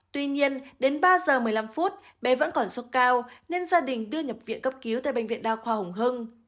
tuy nhiên đến ba h một mươi năm phút bé vẫn còn suất cao nên gia đình đưa nhập viện cấp cứu tại bệnh viện đao khoa hồng hưng